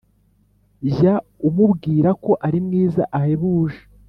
jya umubwira ko ari mwiza ahebuje